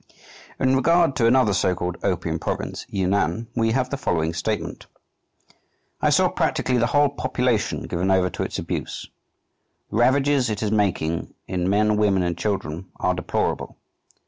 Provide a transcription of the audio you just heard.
In regard to another so called "opium province," Yunnan, we have the following statement: "I saw practically the whole population given over to its abuse. The ravages it is making in men, women, and children are deplorable....